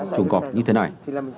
trùng cọp như thế này